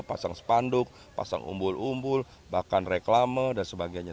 pasang sepanduk pasang umbul umbul bahkan reklama dan sebagainya